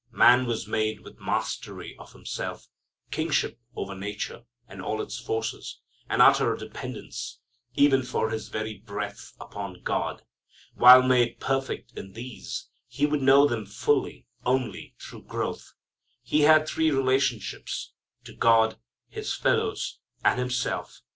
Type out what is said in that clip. Man was made with mastery of himself, kingship over nature and all its forces, and utter dependence, even for his very breath, upon God. While made perfect in these, he would know them fully only through growth. He had three relationships, to God, his fellows, and himself.